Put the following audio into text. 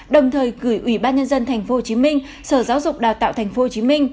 đồng thời gửi ủy ban nhân dân tp hcm sở giáo dục đào tạo tp hcm